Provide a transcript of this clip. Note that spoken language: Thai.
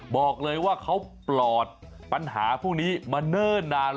บอกเลยว่าเขาปลอดปัญหาพวกนี้มาเนิ่นนาน